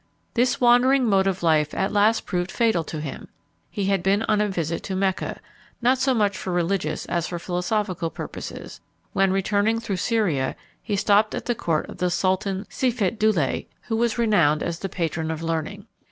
This wandering mode of life at last proved fatal to him. He had been on a visit to Mecca, not so much for religious as for philosophical purposes, when, returning through Syria, he stopped at the court of the Sultan Seifeddoulet, who was renowned as the patron of learning.